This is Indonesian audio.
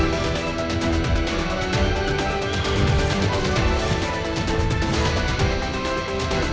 perpikiran yang tidak berhasil